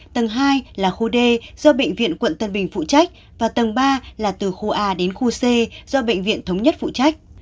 tầng hai là khu d do bệnh viện quận tân bình phụ trách và tầng ba là từ khu a đến khu c do bệnh viện thống nhất phụ trách